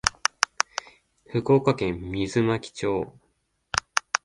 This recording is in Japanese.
福岡県水巻町